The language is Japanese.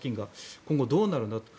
今後どうなるんだと。